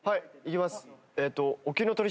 いけます！